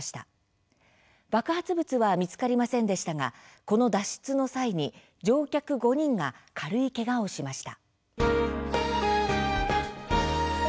爆発物は見つかりませんでしたがこの脱出の際に乗客５人が軽いけがをしました。